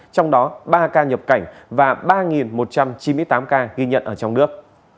trong đó ba ca nhập cảnh và ba một trăm chín mươi tám ca ghi nhận ở trong nước